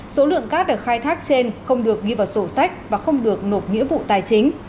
số lượng cát được khai thác trên không được ghi vào sổ sách và không được nộp nghĩa vụ tài chính